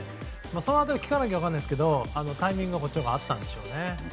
その辺りは聞かなきゃ分からないですがタイミングがこっちのほうが合ったんでしょうね。